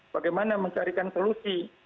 bagaimana mencarikan solusi